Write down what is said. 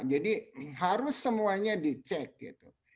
jadi harus semuanya dicek gitu